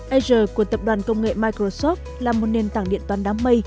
asia của tập đoàn công nghệ microsoft là một nền tảng điện toán đám mây